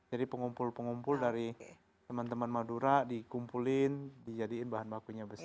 jadi pengumpul pengumpul dari teman teman madura dikumpulin dijadiin bahan bakunya bersih